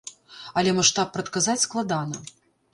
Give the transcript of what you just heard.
Але маштаб прадказаць складана.